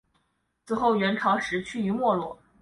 此后元朝时趋于没落。